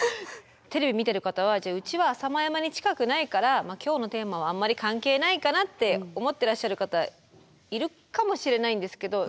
テレビ見てる方は「うちは浅間山に近くないから今日のテーマはあんまり関係ないかな」って思ってらっしゃる方いるかもしれないんですけど。